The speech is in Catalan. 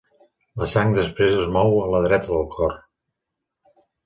La sang després es mou a la dreta del cor.